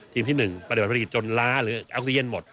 ทีมที่๑ปฏิบัติภัตริกิจจนล้าหรือออกซีเยี่ยนหมด